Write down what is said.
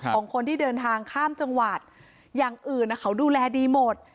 ของคนที่เดินทางข้ามจังหวัดอย่างอื่นเขาดูแลดีหมด